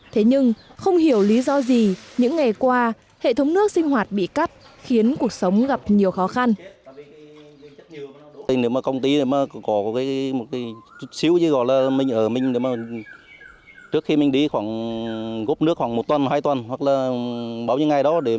thế nhưng không hiểu lý do gì những ngày qua hệ thống nước sinh hoạt bị cắt khiến cuộc sống gặp nhiều khó khăn